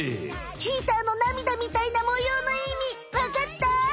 チーターの涙みたいな模様のいみわかった？